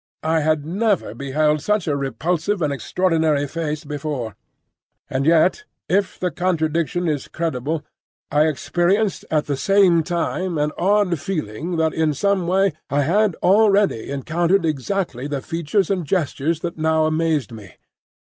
I had never beheld such a repulsive and extraordinary face before, and yet—if the contradiction is credible—I experienced at the same time an odd feeling that in some way I had already encountered exactly the features and gestures that now amazed me.